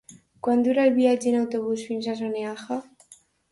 Quant dura el viatge en autobús fins a Soneja?